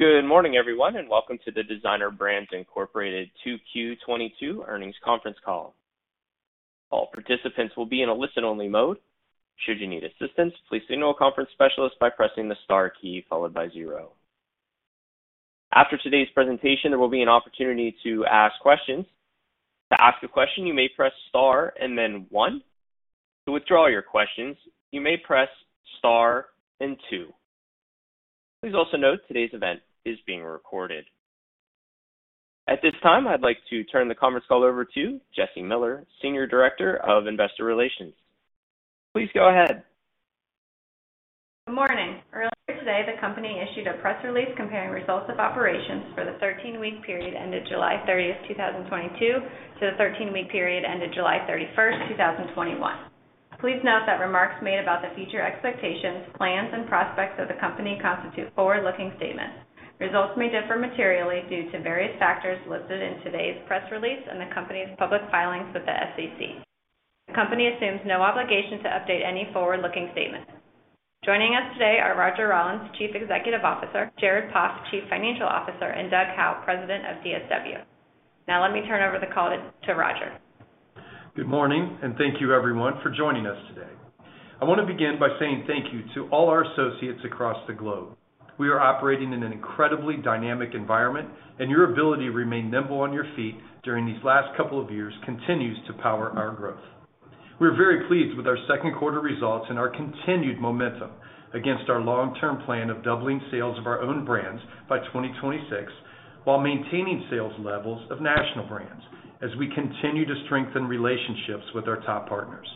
Good morning everyone, and welcome to the Designer Brands Incorporated 2Q 2022 earnings conference call. All participants will be in a listen-only mode. Should you need assistance, please signal a conference specialist by pressing the star key followed by zero. After today's presentation, there will be an opportunity to ask questions. To ask a question, you may press star and then one. To withdraw your questions, you may press star and two. Please also note today's event is being recorded. At this time, I'd like to turn the conference call over to Jesse Miller, Senior Director of Investor Relations. Please go ahead. Good morning. Earlier today, the company issued a press release comparing results of operations for the 13-week period ended July 30th, 2022, to the 13-week period ended July 31st, 2021. Please note that remarks made about the future expectations, plans, and prospects of the company constitute forward-looking statements. Results may differ materially due to various factors listed in today's press release and the company's public filings with the SEC. The company assumes no obligation to update any forward-looking statements. Joining us today are Roger Rawlins, Chief Executive Officer, Jared Poff, Chief Financial Officer, and Doug Howe, President of DSW. Now let me turn over the call to Roger. Good morning, and thank you everyone for joining us today. I wanna begin by saying thank you to all our associates across the globe. We are operating in an incredibly dynamic environment, and your ability to remain nimble on your feet during these last couple of years continues to power our growth. We're very pleased with our second quarter results and our continued momentum against our long-term plan of doubling sales of our own brands by 2026 while maintaining sales levels of national brands as we continue to strengthen relationships with our top partners.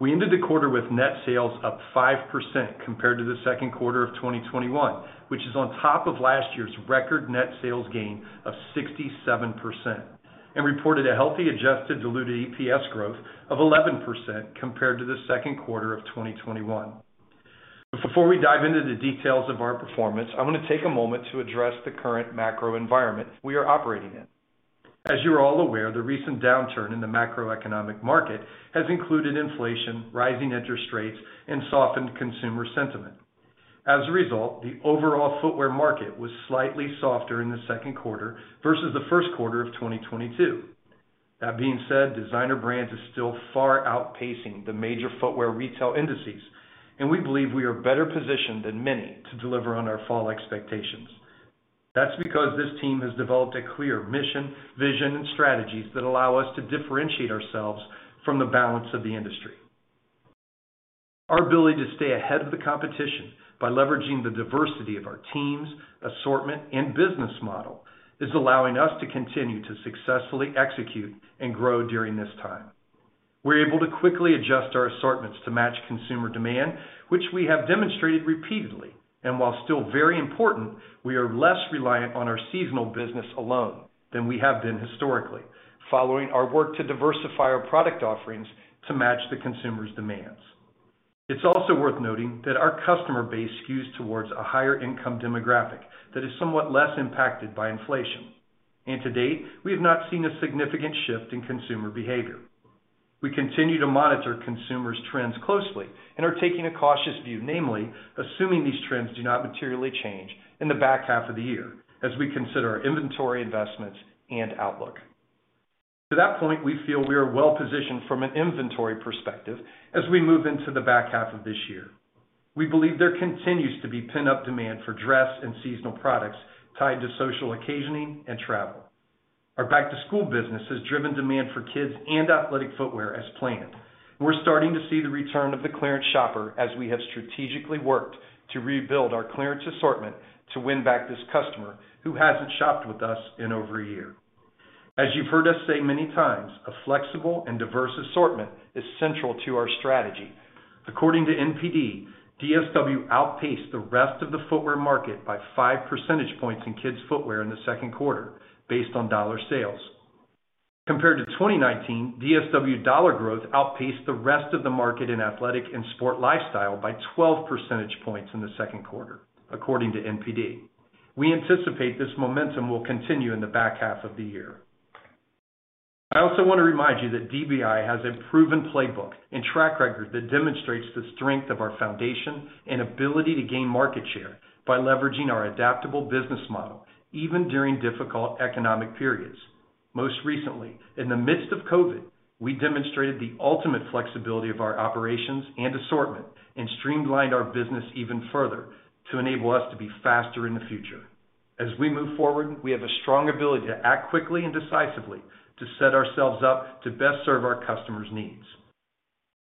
We ended the quarter with net sales up 5% compared to the second quarter of 2021, which is on top of last year's record net sales gain of 67%, and reported a healthy adjusted diluted EPS growth of 11% compared to the second quarter of 2021. Before we dive into the details of our performance, I wanna take a moment to address the current macro environment we are operating in. As you are all aware, the recent downturn in the macroeconomic market has included inflation, rising interest rates, and softened consumer sentiment. As a result, the overall footwear market was slightly softer in the second quarter versus the first quarter of 2022. That being said, Designer Brands is still far outpacing the major footwear retail indices, and we believe we are better positioned than many to deliver on our fall expectations. That's because this team has developed a clear mission, vision, and strategies that allow us to differentiate ourselves from the balance of the industry. Our ability to stay ahead of the competition by leveraging the diversity of our teams, assortment, and business model is allowing us to continue to successfully execute and grow during this time. We're able to quickly adjust our assortments to match consumer demand, which we have demonstrated repeatedly. While still very important, we are less reliant on our seasonal business alone than we have been historically, following our work to diversify our product offerings to match the consumer's demands. It's also worth noting that our customer base skews towards a higher income demographic that is somewhat less impacted by inflation. To date, we have not seen a significant shift in consumer behavior. We continue to monitor consumers' trends closely and are taking a cautious view, namely, assuming these trends do not materially change in the back half of the year as we consider our inventory investments and outlook. To that point, we feel we are well positioned from an inventory perspective as we move into the back half of this year. We believe there continues to be pent-up demand for dress and seasonal products tied to social occasioning and travel. Our back-to-school business has driven demand for kids and athletic footwear as planned. We're starting to see the return of the clearance shopper as we have strategically worked to rebuild our clearance assortment to win back this customer who hasn't shopped with us in over a year. As you've heard us say many times, a flexible and diverse assortment is central to our strategy. According to NPD, DSW outpaced the rest of the footwear market by 5 percentage points in kids footwear in the second quarter based on dollar sales. Compared to 2019, DSW dollar growth outpaced the rest of the market in athletic and sport lifestyle by 12 percentage points in the second quarter, according to NPD. We anticipate this momentum will continue in the back half of the year. I also want to remind you that DBI has a proven playbook and track record that demonstrates the strength of our foundation and ability to gain market share by leveraging our adaptable business model, even during difficult economic periods. Most recently, in the midst of COVID, we demonstrated the ultimate flexibility of our operations and assortment and streamlined our business even further to enable us to be faster in the future. As we move forward, we have a strong ability to act quickly and decisively to set ourselves up to best serve our customers' needs.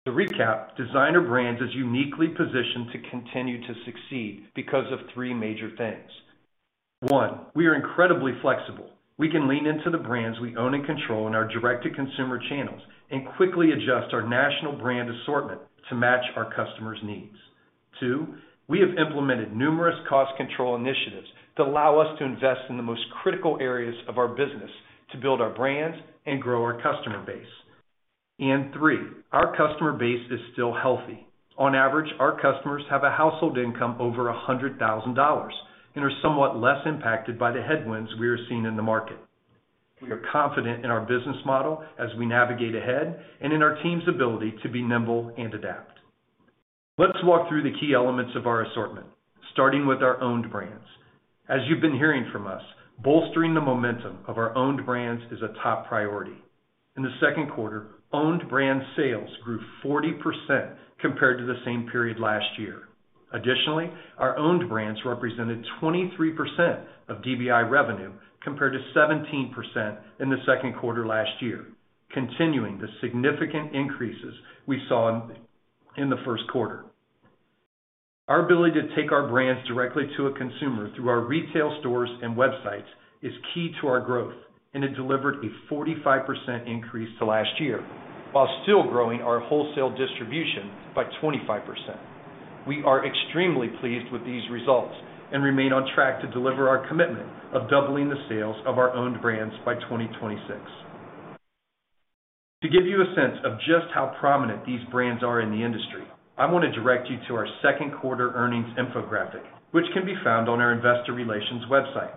To recap, Designer Brands is uniquely positioned to continue to succeed because of three major things. One, we are incredibly flexible. We can lean into the brands we own and control in our direct-to-consumer channels and quickly adjust our national brand assortment to match our customers' needs. Two, we have implemented numerous cost control initiatives that allow us to invest in the most critical areas of our business to build our brands and grow our customer base. And three, our customer base is still healthy. On average, our customers have a household income over $100,000 and are somewhat less impacted by the headwinds we are seeing in the market. We are confident in our business model as we navigate ahead and in our team's ability to be nimble and adapt. Let's walk through the key elements of our assortment, starting with our owned brands. As you've been hearing from us, bolstering the momentum of our owned brands is a top priority. In the second quarter, owned brand sales grew 40% compared to the same period last year. Additionally, our owned brands represented 23% of DBI revenue, compared to 17% in the second quarter last year, continuing the significant increases we saw in the first quarter. Our ability to take our brands directly to a consumer through our retail stores and websites is key to our growth, and it delivered a 45% increase to last year, while still growing our wholesale distribution by 25%. We are extremely pleased with these results and remain on track to deliver our commitment of doubling the sales of our owned brands by 2026. To give you a sense of just how prominent these brands are in the industry, I wanna direct you to our second quarter earnings infographic, which can be found on our investor relations website.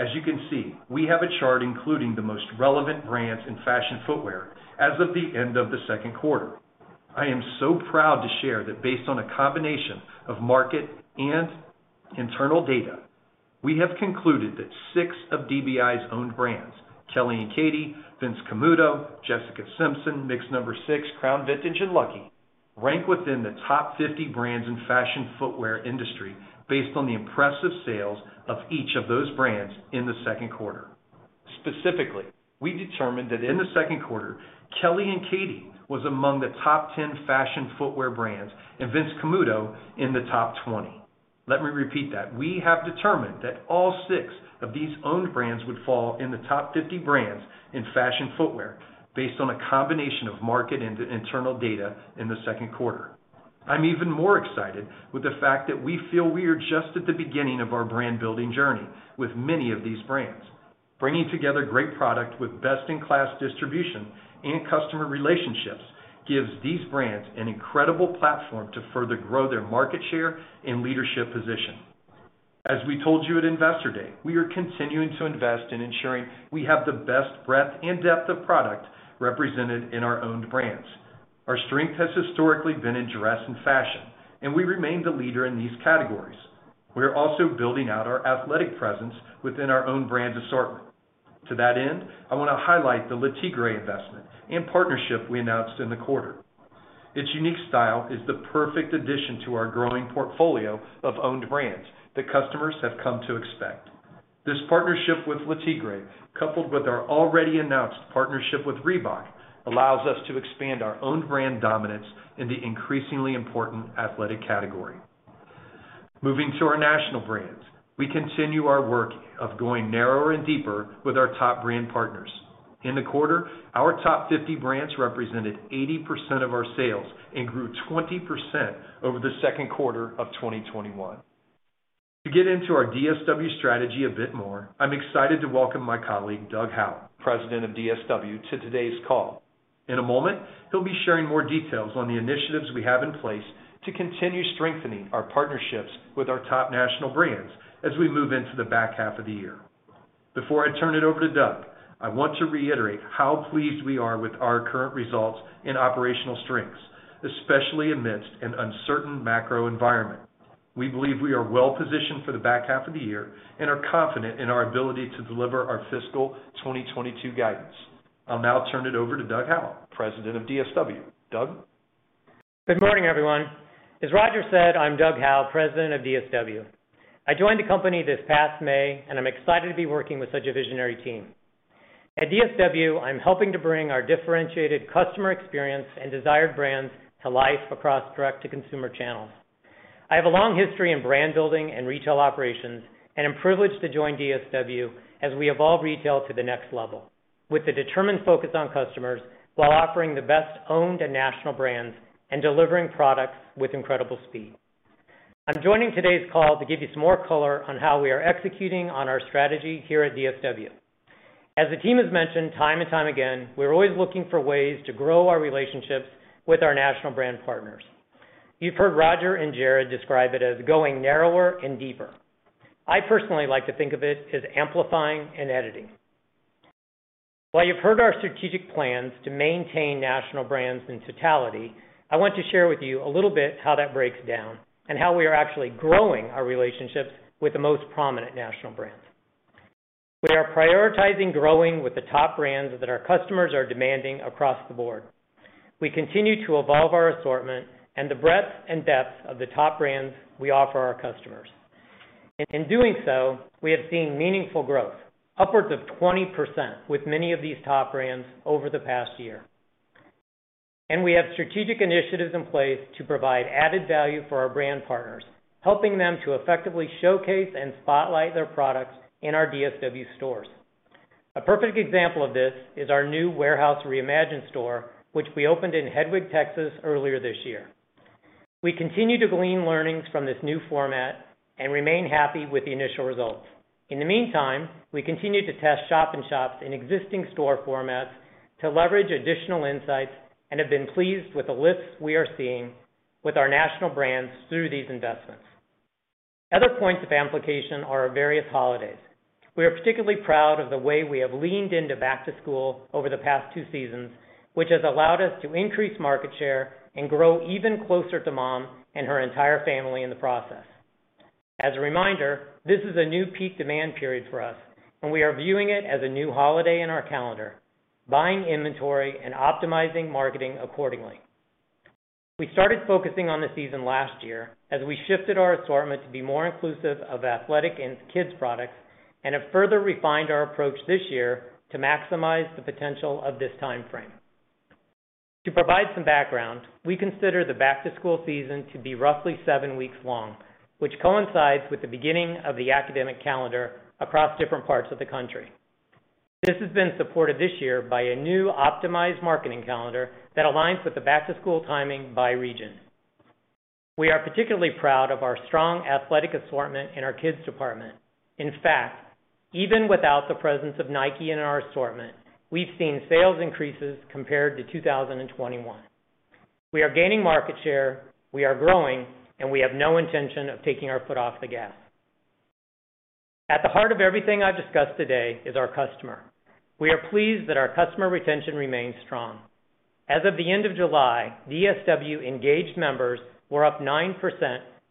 As you can see, we have a chart including the most relevant brands in fashion footwear as of the end of the second quarter. I am so proud to share that based on a combination of market and internal data, we have concluded that six of DBI's owned brands, Kelly & Katie, Vince Camuto, Jessica Simpson, Mix No. 6, Crown Vintage, and Lucky Brand rank within the top 50 brands in fashion footwear industry based on the impressive sales of each of those brands in the second quarter. Specifically, we determined that in the second quarter, Kelly & Katie was among the top 10 fashion footwear brands, and Vince Camuto in the top 20. Let me repeat that. We have determined that all six of these owned brands would fall in the top 50 brands in fashion footwear based on a combination of market and internal data in the second quarter. I'm even more excited with the fact that we feel we are just at the beginning of our brand-building journey with many of these brands. Bringing together great product with best-in-class distribution and customer relationships gives these brands an incredible platform to further grow their market share and leadership position. As we told you at Investor Day, we are continuing to invest in ensuring we have the best breadth and depth of product represented in our owned brands. Our strength has historically been in dress and fashion, and we remain the leader in these categories. We're also building out our athletic presence within our own brand assortment. To that end, I wanna highlight the Le TIGRE investment and partnership we announced in the quarter. Its unique style is the perfect addition to our growing portfolio of owned brands that customers have come to expect. This partnership with Le TIGRE, coupled with our already announced partnership with Reebok, allows us to expand our own brand dominance in the increasingly important athletic category. Moving to our national brands, we continue our work of going narrower and deeper with our top brand partners. In the quarter, our top 50 brands represented 80% of our sales and grew 20% over the second quarter of 2021. To get into our DSW strategy a bit more, I'm excited to welcome my colleague, Doug Howe, president of DSW, to today's call. In a moment, he'll be sharing more details on the initiatives we have in place to continue strengthening our partnerships with our top national brands as we move into the back half of the year. Before I turn it over to Doug, I want to reiterate how pleased we are with our current results and operational strengths, especially amidst an uncertain macro environment. We believe we are well-positioned for the back half of the year and are confident in our ability to deliver our fiscal 2022 guidance. I'll now turn it over to Doug Howe, President of DSW. Doug? Good morning, everyone. As Roger said, I'm Doug Howe, President of DSW. I joined the company this past May, and I'm excited to be working with such a visionary team. At DSW, I'm helping to bring our differentiated customer experience and desired brands to life across direct-to-consumer channels. I have a long history in brand building and retail operations, and am privileged to join DSW as we evolve retail to the next level with a determined focus on customers while offering the best owned and national brands and delivering products with incredible speed. I'm joining today's call to give you some more color on how we are executing on our strategy here at DSW. As the team has mentioned time and time again, we're always looking for ways to grow our relationships with our national brand partners. You've heard Roger and Jared describe it as going narrower and deeper. I personally like to think of it as amplifying and editing. While you've heard our strategic plans to maintain national brands in totality, I want to share with you a little bit how that breaks down and how we are actually growing our relationships with the most prominent national brands. We are prioritizing growing with the top brands that our customers are demanding across the board. We continue to evolve our assortment and the breadth and depth of the top brands we offer our customers. In doing so, we have seen meaningful growth, upwards of 20% with many of these top brands over the past year. We have strategic initiatives in place to provide added value for our brand partners, helping them to effectively showcase and spotlight their products in our DSW stores. A perfect example of this is our new warehouse reimagined store, which we opened in Hedwig, Texas earlier this year. We continue to glean learnings from this new format and remain happy with the initial results. In the meantime, we continue to test shop-in-shop in existing store formats to leverage additional insights and have been pleased with the lifts we are seeing with our national brands through these investments. Other points of application are our various holidays. We are particularly proud of the way we have leaned into back-to-school over the past two seasons, which has allowed us to increase market share and grow even closer to mom and her entire family in the process. As a reminder, this is a new peak demand period for us, and we are viewing it as a new holiday in our calendar, buying inventory and optimizing marketing accordingly. We started focusing on the season last year as we shifted our assortment to be more inclusive of athletic and kids products and have further refined our approach this year to maximize the potential of this time frame. To provide some background, we consider the back-to-school season to be roughly seven weeks long, which coincides with the beginning of the academic calendar across different parts of the country. This has been supported this year by a new optimized marketing calendar that aligns with the back-to-school timing by region. We are particularly proud of our strong athletic assortment in our kids department. In fact, even without the presence of Nike in our assortment, we've seen sales increases compared to 2021. We are gaining market share, we are growing, and we have no intention of taking our foot off the gas. At the heart of everything I've discussed today is our customer. We are pleased that our customer retention remains strong. As of the end of July, DSW engaged members were up 9%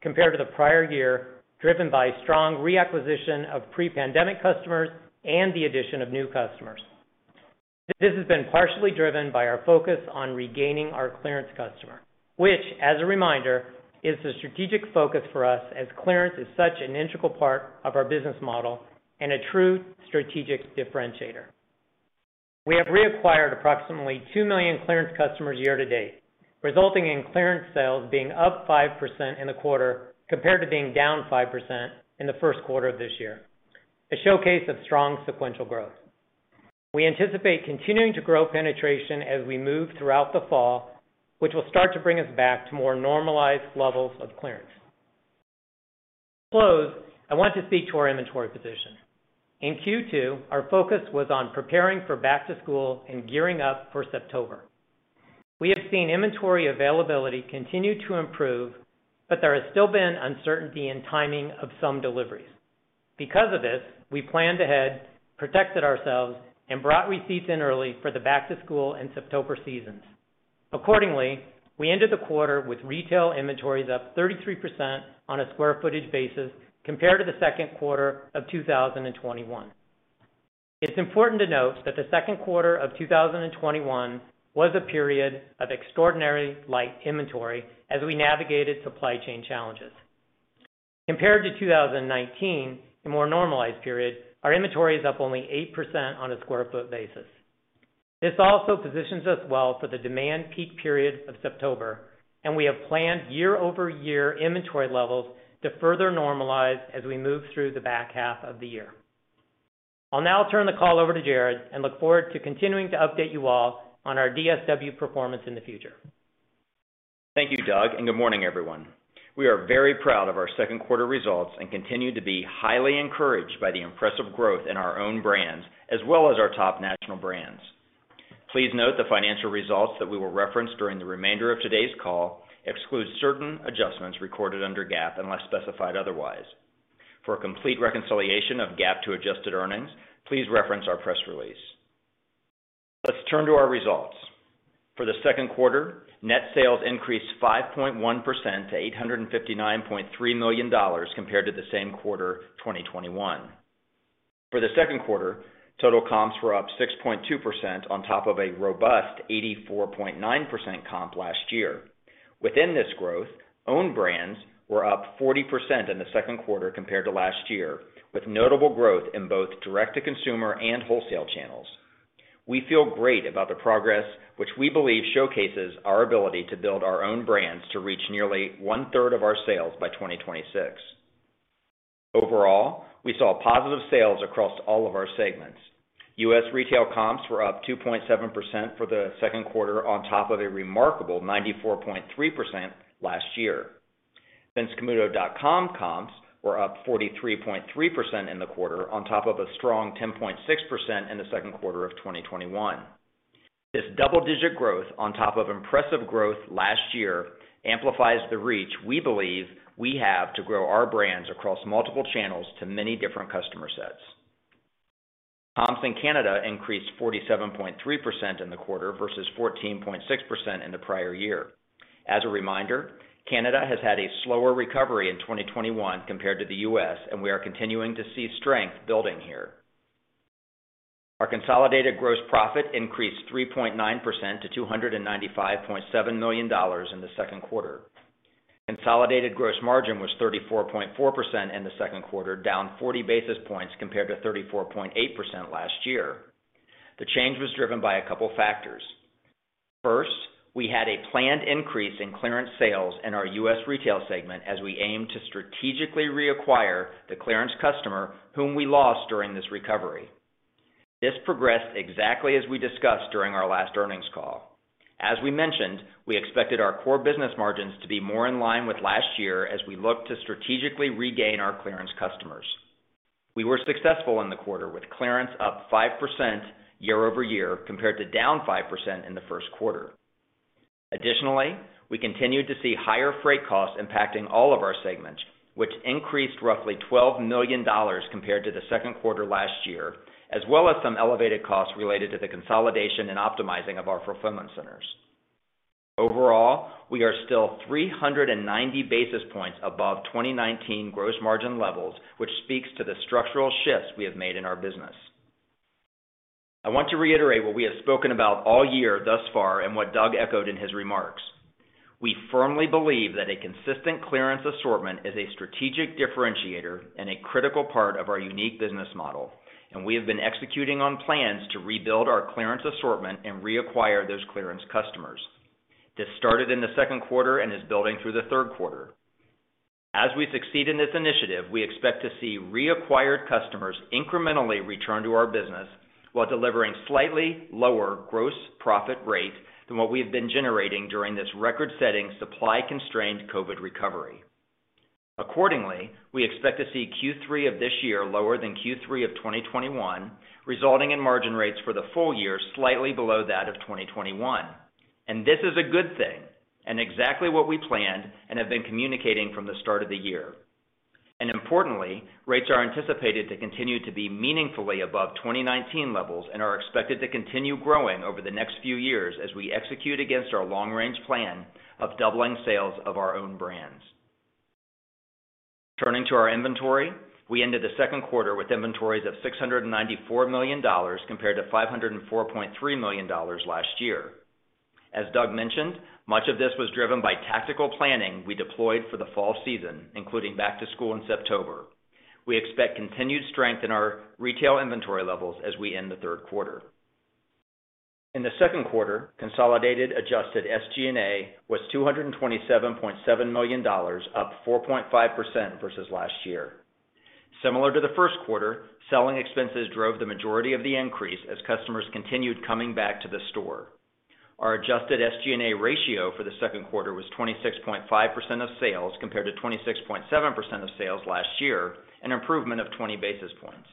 compared to the prior year, driven by strong reacquisition of pre-pandemic customers and the addition of new customers. This has been partially driven by our focus on regaining our clearance customer, which as a reminder, is the strategic focus for us as clearance is such an integral part of our business model and a true strategic differentiator. We have reacquired approximately 2 million clearance customers year-to-date, resulting in clearance sales being up 5% in the quarter compared to being down 5% in the first quarter of this year, a showcase of strong sequential growth. We anticipate continuing to grow penetration as we move throughout the fall, which will start to bring us back to more normalized levels of clearance. To close, I want to speak to our inventory position. In Q2, our focus was on preparing for back-to-school and gearing up for September. We have seen inventory availability continue to improve, but there has still been uncertainty in timing of some deliveries. Because of this, we planned ahead, protected ourselves, and brought receipts in early for the back-to-school in September seasons. Accordingly, we ended the quarter with retail inventories up 33% on a square footage basis compared to the second quarter of 2021. It's important to note that the second quarter of 2021 was a period of extraordinary light inventory as we navigated supply chain challenges. Compared to 2019, a more normalized period, our inventory is up only 8% on a square foot basis. This also positions us well for the demand peak period of September, and we have planned year-over-year inventory levels to further normalize as we move through the back half of the year. I'll now turn the call over to Jared and look forward to continuing to update you all on our DSW performance in the future. Thank you, Doug, and good morning, everyone. We are very proud of our second quarter results and continue to be highly encouraged by the impressive growth in our own brands as well as our top national brands. Please note the financial results that we will reference during the remainder of today's call exclude certain adjustments recorded under GAAP, unless specified otherwise. For a complete reconciliation of GAAP to adjusted earnings, please reference our press release. Let's turn to our results. For the second quarter, net sales increased 5.1% to $859.3 million compared to the same quarter 2021. For the second quarter, total comps were up 6.2% on top of a robust 84.9% comp last year. Within this growth, own brands were up 40% in the second quarter compared to last year, with notable growth in both direct-to-consumer and wholesale channels. We feel great about the progress, which we believe showcases our ability to build our own brands to reach nearly 1/3 of our sales by 2026. Overall, we saw positive sales across all of our segments. U.S. Retail comps were up 2.7% for the second quarter on top of a remarkable 94.3% last year. Vincecamuto.com comps were up 43.3% in the quarter on top of a strong 10.6% in the second quarter of 2021. This double-digit growth on top of impressive growth last year amplifies the reach we believe we have to grow our brands across multiple channels to many different customer sets. Comps in Canada increased 47.3% in the quarter versus 14.6% in the prior year. As a reminder, Canada has had a slower recovery in 2021 compared to the U.S., and we are continuing to see strength building here. Our consolidated gross profit increased 3.9% to $295.7 million in the second quarter. Consolidated gross margin was 34.4% in the second quarter, down 40 basis points compared to 34.8% last year. The change was driven by a couple factors. First, we had a planned increase in clearance sales in our U.S. Retail segment as we aim to strategically reacquire the clearance customer whom we lost during this recovery. This progressed exactly as we discussed during our last earnings call. As we mentioned, we expected our core business margins to be more in line with last year as we look to strategically regain our clearance customers. We were successful in the quarter with clearance up 5% year-over-year compared to down 5% in the first quarter. Additionally, we continued to see higher freight costs impacting all of our segments, which increased roughly $12 million compared to the second quarter last year, as well as some elevated costs related to the consolidation and optimizing of our fulfillment centers. Overall, we are still 390 basis points above 2019 gross margin levels, which speaks to the structural shifts we have made in our business. I want to reiterate what we have spoken about all year thus far and what Doug echoed in his remarks. We firmly believe that a consistent clearance assortment is a strategic differentiator and a critical part of our unique business model, and we have been executing on plans to rebuild our clearance assortment and reacquire those clearance customers. This started in the second quarter and is building through the third quarter. As we succeed in this initiative, we expect to see reacquired customers incrementally return to our business while delivering slightly lower gross profit rate than what we have been generating during this record-setting, supply-constrained COVID recovery. Accordingly, we expect to see Q3 of this year lower than Q3 of 2021, resulting in margin rates for the full year slightly below that of 2021. This is a good thing and exactly what we planned and have been communicating from the start of the year. Importantly, rates are anticipated to continue to be meaningfully above 2019 levels and are expected to continue growing over the next few years as we execute against our long-range plan of doubling sales of our own brands. Turning to our inventory, we ended the second quarter with inventories of $694 million compared to $504.3 million last year. As Doug mentioned, much of this was driven by tactical planning we deployed for the fall season, including back-to-school in September. We expect continued strength in our retail inventory levels as we end the third quarter. In the second quarter, consolidated adjusted SG&A was $227.7 million, up 4.5% versus last year. Similar to the first quarter, selling expenses drove the majority of the increase as customers continued coming back to the store. Our adjusted SG&A ratio for the second quarter was 26.5% of sales compared to 26.7% of sales last year, an improvement of 20 basis points.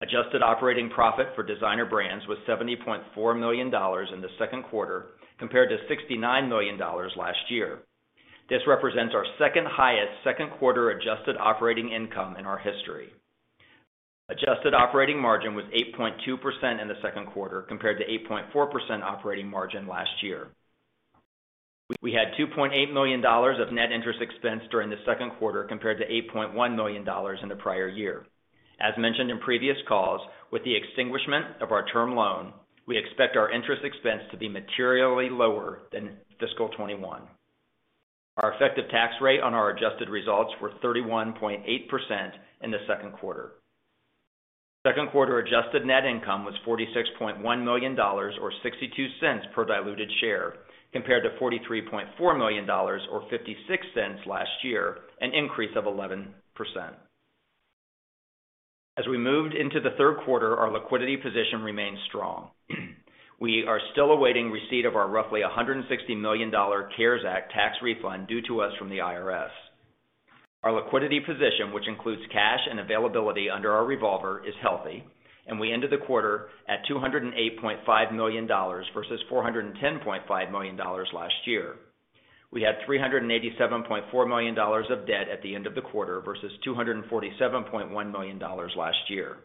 Adjusted operating profit for Designer Brands was $70.4 million in the second quarter compared to $69 million last year. This represents our second-highest second quarter adjusted operating income in our history. Adjusted operating margin was 8.2% in the second quarter compared to 8.4% operating margin last year. We had $2.8 million of net interest expense during the second quarter compared to $8.1 million in the prior year. As mentioned in previous calls, with the extinguishment of our term loan, we expect our interest expense to be materially lower than fiscal 2021. Our effective tax rate on our adjusted results were 31.8% in the second quarter. Second quarter adjusted net income was $46.1 million or $0.62 per diluted share compared to $43.4 million or $0.56 last year, an increase of 11%. As we moved into the third quarter, our liquidity position remains strong. We are still awaiting receipt of our roughly $160 million CARES Act tax refund due to us from the IRS. Our liquidity position, which includes cash and availability under our revolver, is healthy, and we ended the quarter at $208.5 million versus $410.5 million last year. We had $387.4 million of debt at the end of the quarter versus $247.1 million last year.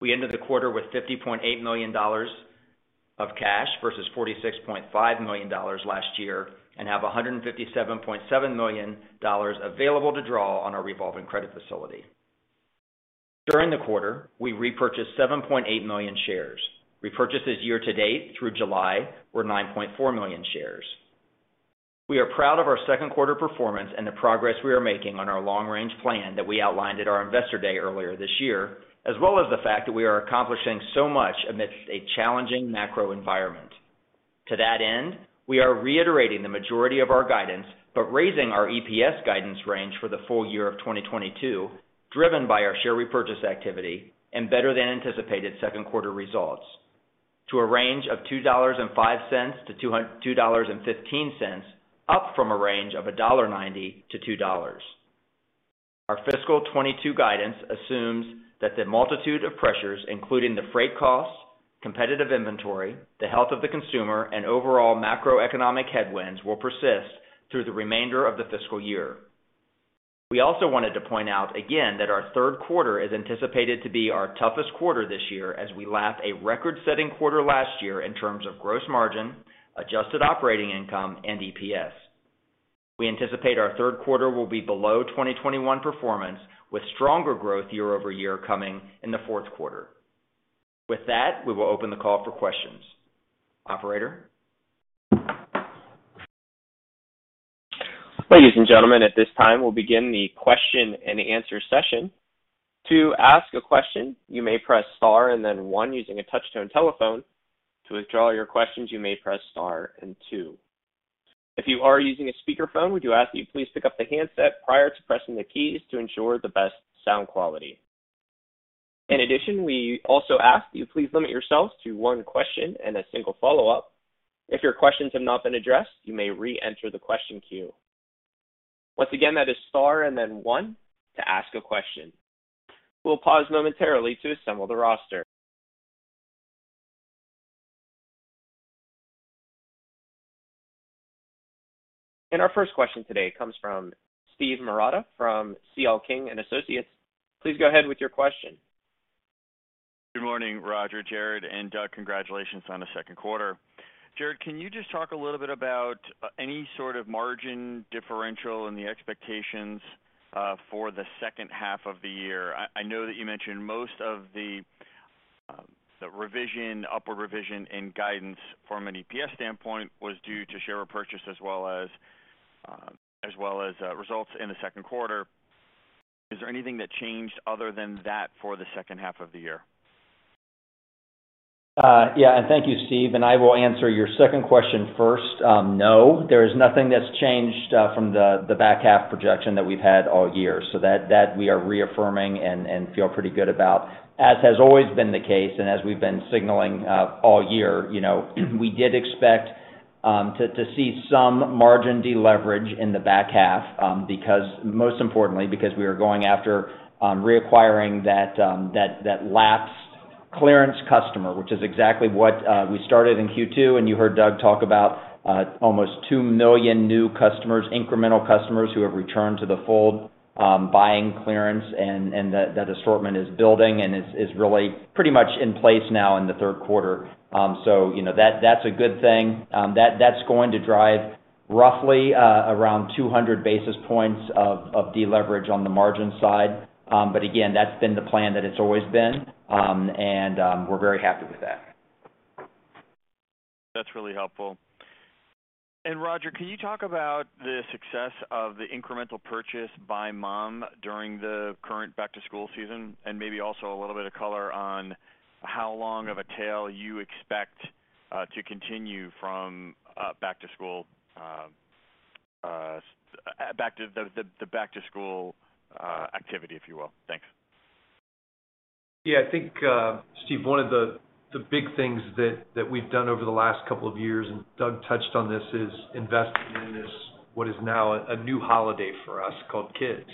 We ended the quarter with $50.8 million of cash versus $46.5 million last year and have $157.7 million available to draw on our revolving credit facility. During the quarter, we repurchased 7.8 million shares. Repurchases year-to-date through July were 9.4 million shares. We are proud of our second quarter performance and the progress we are making on our long-range plan that we outlined at our Investor Day earlier this year, as well as the fact that we are accomplishing so much amidst a challenging macro environment. To that end, we are reiterating the majority of our guidance, but raising our EPS guidance range for the full year of 2022, driven by our share repurchase activity and better than anticipated second quarter results to a range of $2.05-$2.15, up from a range of $1.90-$2.00. Our fiscal 2022 guidance assumes that the multitude of pressures, including the freight costs, competitive inventory, the health of the consumer, and overall macroeconomic headwinds, will persist through the remainder of the fiscal year. We also wanted to point out again that our third quarter is anticipated to be our toughest quarter this year as we lap a record-setting quarter last year in terms of gross margin, adjusted operating income, and EPS. We anticipate our third quarter will be below 2021 performance, with stronger growth year-over-year coming in the fourth quarter. With that, we will open the call for questions. Operator? Ladies and gentlemen, at this time, we'll begin the question and answer session. To ask a question, you may press star and then one using a touch-tone telephone. To withdraw your questions, you may press star and two. If you are using a speakerphone, we do ask that you please pick up the handset prior to pressing the keys to ensure the best sound quality. In addition, we also ask that you please limit yourselves to one question and a single follow-up. If your questions have not been addressed, you may re-enter the question queue. Once again, that is star and then one to ask a question. We'll pause momentarily to assemble the roster. Our first question today comes from Steve Marotta from C.L. King & Associates. Please go ahead with your question. Good morning, Roger, Jared, and Doug. Congratulations on a second quarter. Jared, can you just talk a little bit about any sort of margin differential and the expectations for the second half of the year? I know that you mentioned most of the revision, upward revision in guidance from an EPS standpoint was due to share repurchase as well as results in the second quarter. Is there anything that changed other than that for the second half of the year? Yeah. Thank you, Steve, and I will answer your second question first. No, there is nothing that's changed from the back half projection that we've had all year. That we are reaffirming and feel pretty good about. As has always been the case, and as we've been signaling all year, you know, we did expect to see some margin deleverage in the back half, because most importantly, because we are going after reacquiring that lapsed clearance customer, which is exactly what we started in Q2. You heard Doug talk about almost 2 million new customers, incremental customers who have returned to the fold, buying clearance and that assortment is building and is really pretty much in place now in the third quarter. You know, that's a good thing. That's going to drive roughly around 200 basis points of deleverage on the margin side. Again, that's been the plan that it's always been, and we're very happy with that. That's really helpful. Roger, can you talk about the success of the incremental purchase by mom during the current back-to-school season? Maybe also a little bit of color on how long of a tail you expect to continue from back-to-school activity, if you will. Thanks. Yeah. I think, Steve, one of the big things that we've done over the last couple of years, and Doug touched on this, is investing in this, what is now a new holiday for us, called kids.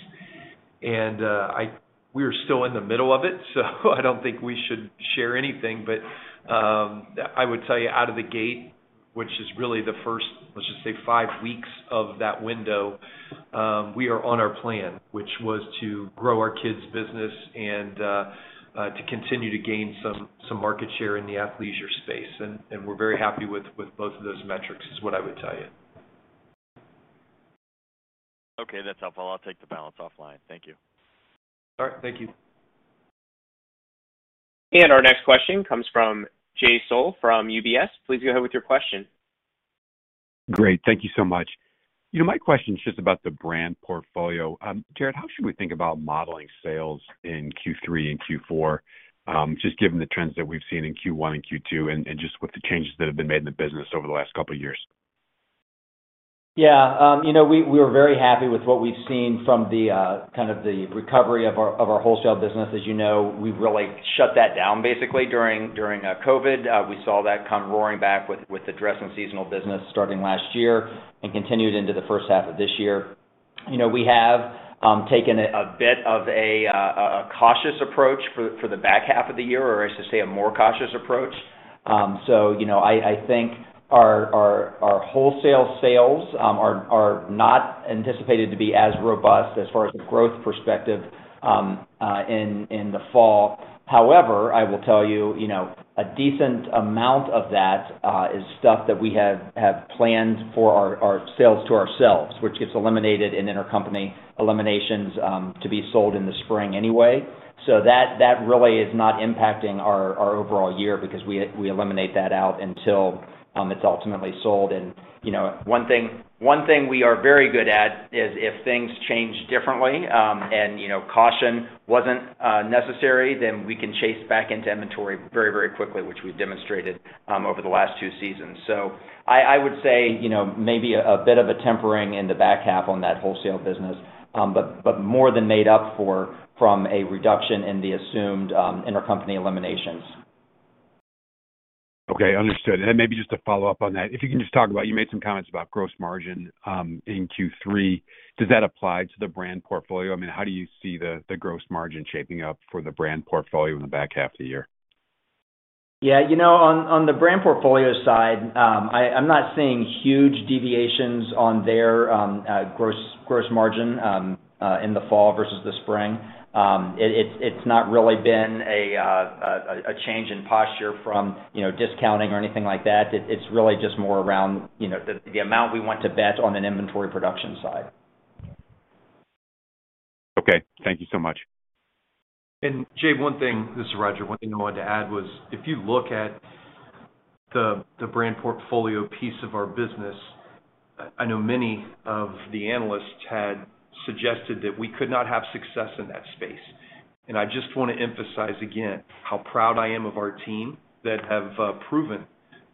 We are still in the middle of it, so I don't think we should share anything. I would tell you out of the gate, which is really the first, let's just say, five weeks of that window, we are on our plan, which was to grow our kids business and to continue to gain some market share in the athleisure space. We're very happy with both of those metrics, is what I would tell you. Okay, that's helpful. I'll take the balance offline. Thank you. All right. Thank you. Our next question comes from Jay Sole from UBS. Please go ahead with your question. Great. Thank you so much. You know, my question is just about the Brand Portfolio. Jared, how should we think about modeling sales in Q3 and Q4, just given the trends that we've seen in Q1 and Q2 and just with the changes that have been made in the business over the last couple of years? You know, we are very happy with what we've seen from the kind of recovery of our wholesale business. As you know, we've really shut that down basically during COVID. We saw that come roaring back with the dress and seasonal business starting last year and continued into the first half of this year. We have taken a bit of a cautious approach for the back half of the year or I should say a more cautious approach. I think our wholesale sales are not anticipated to be as robust as far as the growth perspective in the fall. However, I will tell you know, a decent amount of that is stuff that we have planned for our sales to ourselves, which gets eliminated in intercompany eliminations to be sold in the spring anyway. That really is not impacting our overall year because we eliminate that out until it's ultimately sold. You know, one thing we are very good at is if things change differently and, you know, caution wasn't necessary, then we can chase back into inventory very quickly, which we've demonstrated over the last two seasons. I would say, you know, maybe a bit of a tempering in the back half on that wholesale business, but more than made up for from a reduction in the assumed intercompany eliminations. Okay. Understood. Maybe just to follow up on that, if you can just talk about. You made some comments about gross margin in Q3. Does that apply to the Brand Portfolio? I mean, how do you see the gross margin shaping up for the Brand Portfolio in the back half of the year? Yeah. You know, on the Brand Portfolio side, I'm not seeing huge deviations on their gross margin in the fall versus the spring. It's not really been a change in posture from, you know, discounting or anything like that. It's really just more around, you know, the amount we want to bet on an inventory production side. Okay. Thank you so much. Jay, one thing. This is Roger. One thing I wanted to add was, if you look at the Brand Portfolio piece of our business, I know many of the analysts had suggested that we could not have success in that space. I just wanna emphasize again how proud I am of our team that have proven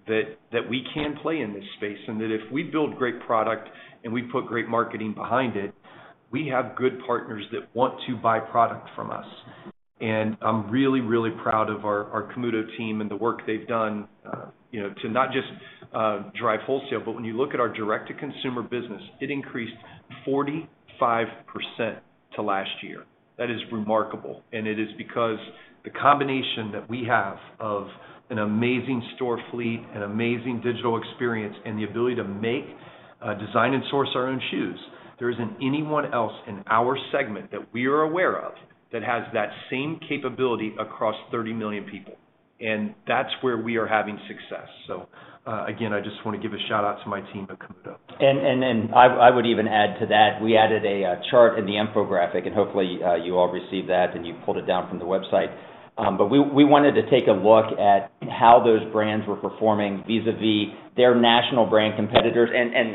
that we can play in this space, and that if we build great product and we put great marketing behind it, we have good partners that want to buy product from us. I'm really proud of our Camuto team and the work they've done to not just drive wholesale, but when you look at our direct-to-consumer business, it increased 45% to last year. That is remarkable, and it is because the combination that we have of an amazing store fleet, an amazing digital experience, and the ability to make, design and source our own shoes. There isn't anyone else in our segment that we are aware of that has that same capability across 30 million people, and that's where we are having success. Again, I just wanna give a shout-out to my team at Camuto. Then I would even add to that, we added a chart in the infographic, and hopefully you all received that and you pulled it down from the website. We wanted to take a look at how those brands were performing vis-a-vis their national brand competitors.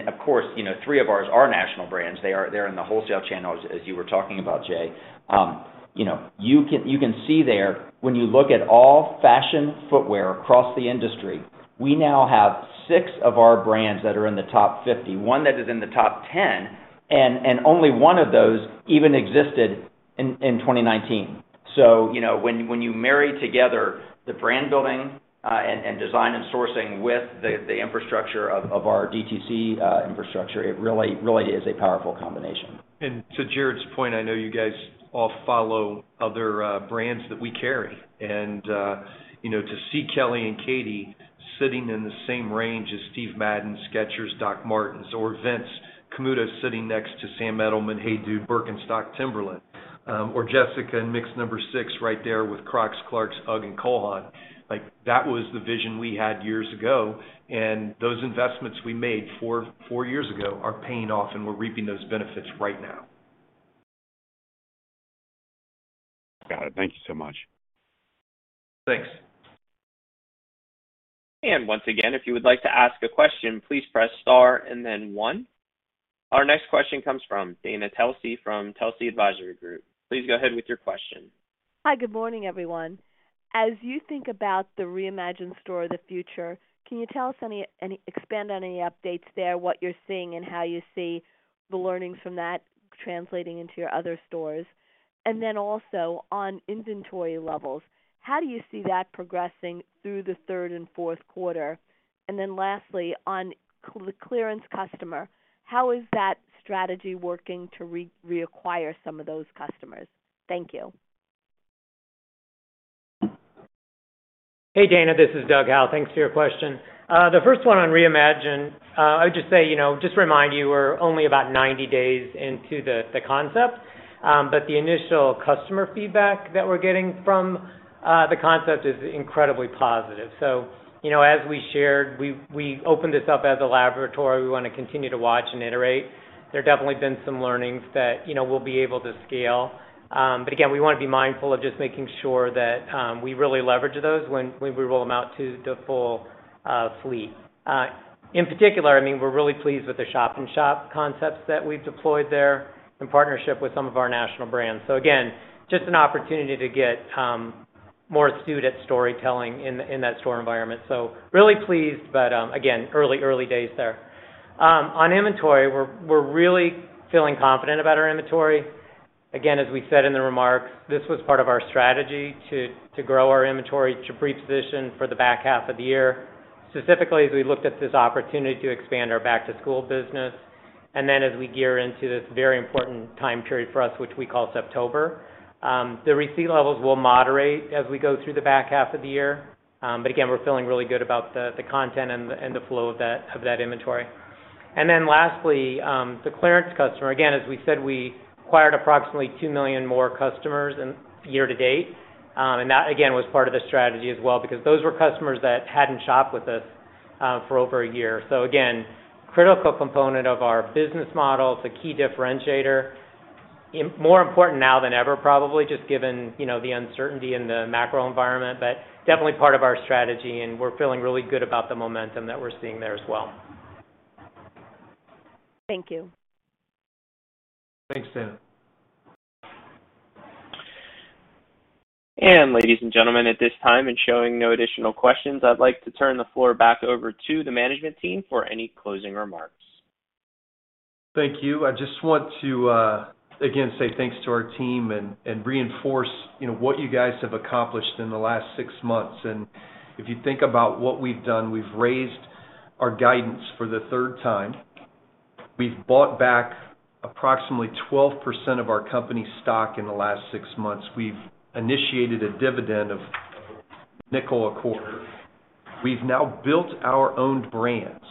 Of course, you know, three of ours are national brands. They are—they're in the wholesale channel, as you were talking about, Jay. You know, you can see there, when you look at all fashion footwear across the industry, we now have six of our brands that are in the top 50. One that is in the top 10, and only one of those even existed in 2019. You know, when you marry together the brand building, and design and sourcing with the infrastructure of our DTC infrastructure, it really is a powerful combination. To Jared's point, I know you guys all follow other brands that we carry. You know, to see Kelly & Katie sitting in the same range as Steve Madden, Skechers, Doc Martens, or Vince Camuto sitting next to Sam Edelman, HeyDude, BIRKENSTOCK, Timberland, or Jessica and Mix No. 6 right there with Crocs, Clarks, UGG, and Cole Haan, like, that was the vision we had years ago, and those investments we made four years ago are paying off, and we're reaping those benefits right now. Got it. Thank you so much. Thanks. Once again, if you would like to ask a question, please press star and then one. Our next question comes from Dana Telsey from Telsey Advisory Group. Please go ahead with your question. Hi, good morning, everyone. As you think about the reimagined store of the future, can you tell us, expand on any updates there, what you're seeing and how you see the learnings from that translating into your other stores? Then also on inventory levels, how do you see that progressing through the third and fourth quarter? Lastly, on clearance customer, how is that strategy working to reacquire some of those customers? Thank you. Hey, Dana. This is Doug Howe. Thanks for your question. The first one on reimagine, I would just say, you know, just remind you we're only about 90 days into the concept, but the initial customer feedback that we're getting from the concept is incredibly positive. You know, as we shared, we opened this up as a laboratory. We wanna continue to watch and iterate. There definitely been some learnings that, you know, we'll be able to scale. Again, we wanna be mindful of just making sure that we really leverage those when we roll them out to the full fleet. In particular, I mean, we're really pleased with the shop-in-shop concepts that we've deployed there in partnership with some of our national brands. Again, just an opportunity to get more astute at storytelling in that store environment. Really pleased but, again, early days there. On inventory, we're really feeling confident about our inventory. Again, as we said in the remarks, this was part of our strategy to grow our inventory to pre-position for the back half of the year. Specifically as we looked at this opportunity to expand our back-to-school business and then as we gear into this very important time period for us, which we call September. The receipt levels will moderate as we go through the back half of the year. Again, we're feeling really good about the content and the flow of that inventory. Lastly, the clearance customer. Again, as we said, we acquired approximately 2 million more customers year-to-date. And that, again, was part of the strategy as well because those were customers that hadn't shopped with us for over a year. Again, critical component of our business model. It's a key differentiator. It's more important now than ever, probably, just given, you know, the uncertainty in the macro environment, but definitely part of our strategy. We're feeling really good about the momentum that we're seeing there as well. Thank you. Thanks, Dana. Ladies and gentlemen, at this time and showing no additional questions, I'd like to turn the floor back over to the management team for any closing remarks. Thank you. I just want to again say thanks to our team and reinforce, you know, what you guys have accomplished in the last six months. If you think about what we've done, we've raised our guidance for the third time. We've bought back approximately 12% of our company stock in the last six months. We've initiated a dividend of $0.05 a quarter. We've now built our own brands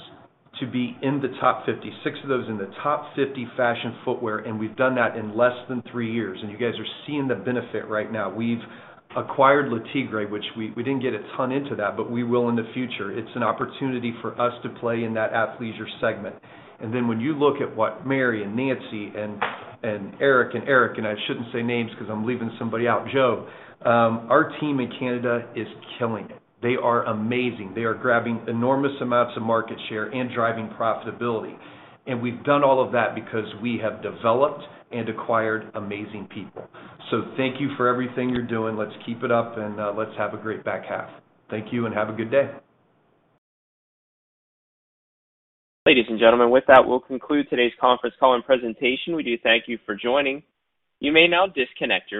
to be in the top 50. Six of those in the top 50 fashion footwear, and we've done that in less than three years, and you guys are seeing the benefit right now. We've acquired Le TIGRE, which we didn't get a ton into that, but we will in the future. It's an opportunity for us to play in that athleisure segment. When you look at what Mary and Nancy and Eric and I shouldn't say names because I'm leaving somebody out, Joe, our team in Canada is killing it. They are amazing. They are grabbing enormous amounts of market share and driving profitability. We've done all of that because we have developed and acquired amazing people. Thank you for everything you're doing. Let's keep it up, and let's have a great back half. Thank you, and have a good day. Ladies and gentlemen, with that, we'll conclude today's conference call and presentation. We do thank you for joining. You may now disconnect your line.